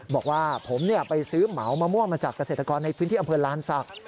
บอกว่าผมไปซื้อเหมามะม่วงมาจากเกษตรกรในพื้นที่อำเภอลานศักดิ์